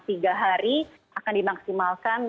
tiga hari akan dimaksimalkan